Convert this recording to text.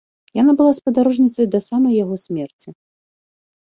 Яна была спадарожніцай да самай яго смерці.